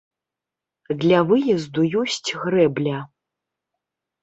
Для выезду ёсць грэбля.